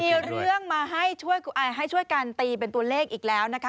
มีเรื่องมาให้ช่วยกันตีเป็นตัวเลขอีกแล้วนะคะ